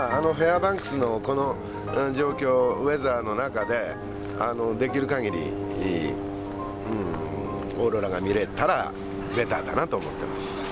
バンクスのこの状況ウェザーの中でできる限りオーロラが見れたらベターかなと思ってます。